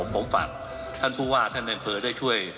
ผมฝากท่านผู้ว่าท่านในอำเภอได้ช่วย